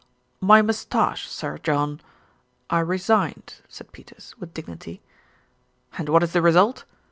"My moustache, Sir John, I resigned," said Peters with dignity. "And what is the result?